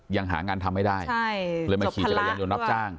ยังหางานทำไม่ได้เลยมาขี่จักรยานยนต์รับจ้าง